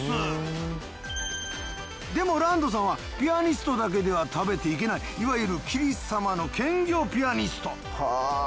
でも羅人さんはピアニストだけでは食べていけないいわゆるキリ様の兼業ピアニスト。